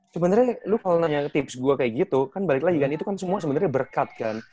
sebenernya lu kalau nanya tips gue kayak gitu kan balik lagi kan itu kan semua sebenarnya berkat kan